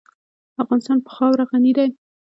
افغانستان په خاوره غني دی.